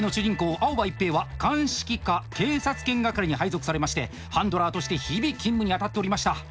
青葉一平は鑑識課警察犬係に配属されましてハンドラーとして日々勤務に当たっておりました。